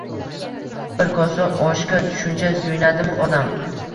Bir kosa oshga shuncha suyunadimi odam